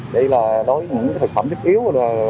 đây là đối với những thực phẩm thích yếu